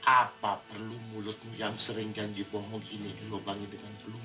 apa perlu mulutmu yang sering canggih pohon ini di lobang itu dengan telurmu